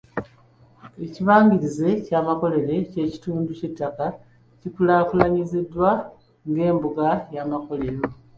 Ekibangirizi ky'amakolero ky'ekitundu ky'ettaka ekikulaakulanyiziddwa ng'embuga y'amakolero.